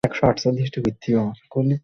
বুঝবে এবং একসাথে উপভোগ করবে।